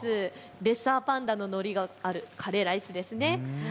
レッサーパンダののりがあるカレーライスです。